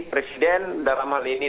presiden dalam hal ini